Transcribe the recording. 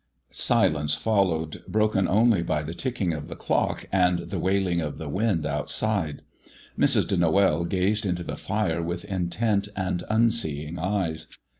Silence followed, broken only by the ticking of the clock and the wailing of the wind outside. Mrs. de Noël gazed into the fire with intent and unseeing eyes.